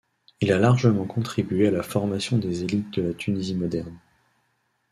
Il a largement contribué à la formation des élites de la Tunisie moderne.